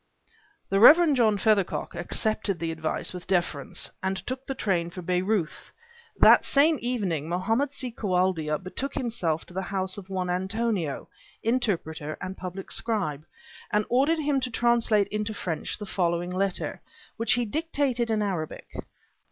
The Rev. John Feathercock accepted the advice with deference, and took the train for Bayreuth. That same evening Mohammed si Koualdia betook himself to the house of one Antonio, interpreter and public scribe, and ordered him to translate into French the following letter, which he dictated in Arabic.